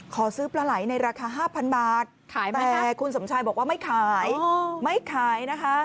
ขอซื้อปลาไหล่ในราคา๕๐๐๐บาทแต่คุณสมชายบอกว่าไม่ขาย